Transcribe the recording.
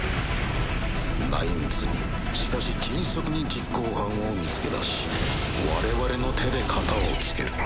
内密にしかし迅速に実行犯を見つけ出し我々の手でカタをつける。